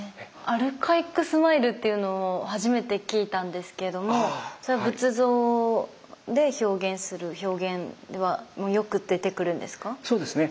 アルカイックスマイルっていうのを初めて聞いたんですけどもそれは仏像で表現する表現ではよく出てくるんですか？